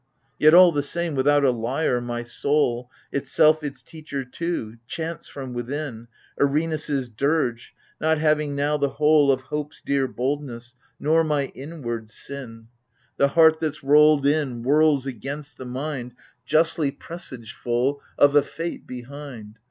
Yet, all the same, without a lyre, my soul, Itself its teacher too, chants from within Erinus' dirge, not having now the whole Of Hope's dear boldness : nor my inwards sin — AGAMEMNON. 8i Tlie heart that's rolled in whirls against the mind Justly presageful of a fate behind.